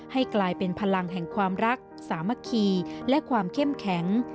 ให้กลายเป็นพลังแห่งความรักสามัคคีและความเข้มแข็ง